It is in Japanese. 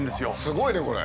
すごいねこれ。